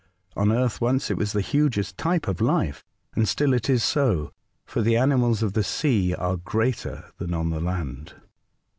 , On earth once it was the hugest type of life, and still it is so, for the animals of the sea are greater than on the land."